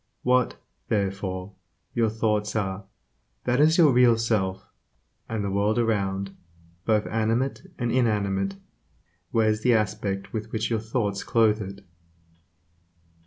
What, therefore, your thoughts are, that is your real self; and the world around, both animate and inanimate, wears the aspect with which your thoughts clothe it.